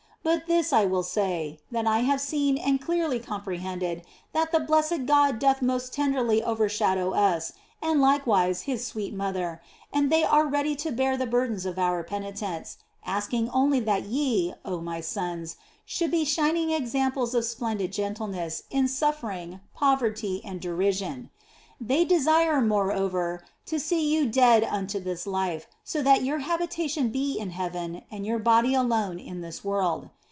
But this will I say, that I have seen and clearly comprehended that the blessed God doth most tenderly overshadow us, and likewise His sweet Mother, and they are ready to bear the burden of our penitence, asking only that 240 THE BLESSED ANGELA ye, oh my sons, should be shining examples of splendid gentleness in suffering, poverty, and derision. They desire, moreover, to see you dead unto this life, so that your habitation be in heaven and your body alone in this world.